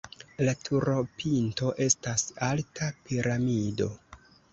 La turopinto estas alta piramido.